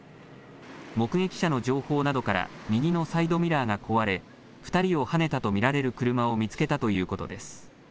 目撃者の情報などから右のサイドミラーが壊れ２人をはねたと見られる車を見つけたということです。